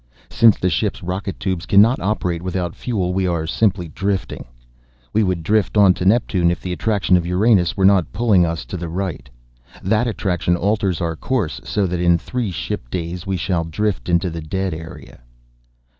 Since the ship's rocket tubes cannot operate without fuel, we are simply drifting. We would drift on to Neptune if the attraction of Uranus were not pulling us to the right. That attraction alters our course so that in three ship days we shall drift into the dead area."